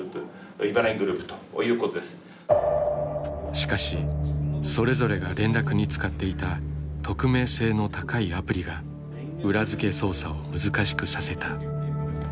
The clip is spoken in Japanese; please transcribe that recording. しかしそれぞれが連絡に使っていた匿名性の高いアプリが裏付け捜査を難しくさせた。